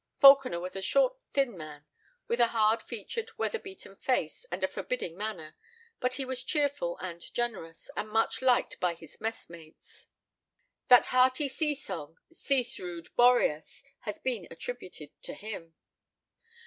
Falconer was a short thin man, with a hard featured, weather beaten face and a forbidding manner; but he was cheerful and generous, and much liked by his messmates. That hearty sea song, "Cease, rude Boreas," has been attributed to him.